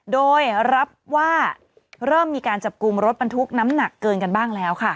โดยรับว่าเริ่มมีการจับกลุ่มรถบรรทุกน้ำหนักเกินกันบ้างแล้วค่ะ